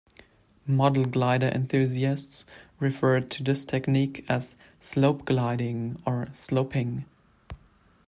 Model glider enthusiasts refer to this technique as "slope gliding" or "sloping".